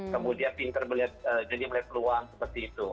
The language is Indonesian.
kemudian pinter melihat jadi melihat peluang seperti itu